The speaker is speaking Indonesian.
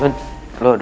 good ada kata katanya